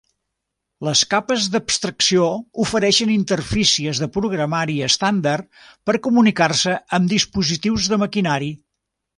Les capes d'abstracció ofereixen interfícies de programari estàndard per comunicar-se amb dispositius de maquinari.